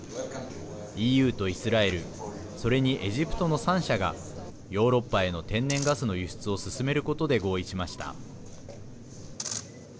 ＥＵとイスラエルそれに、エジプトの３者がヨーロッパへの天然ガスの輸出を進めることで合意しました。